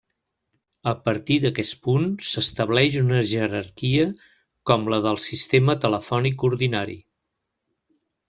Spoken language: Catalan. A partir d'aquest punt, s'estableix una jerarquia com la del sistema telefònic ordinari.